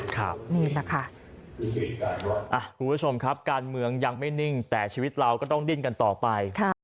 คุณผู้ชมครับการเมืองยังไม่นิ่งแต่ชีวิตเราก็ต้องดินกันต่อไป